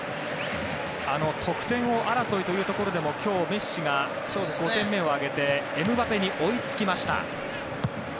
得点王争いというところでも今日、メッシが５点目を挙げてエムバペに追いつきました。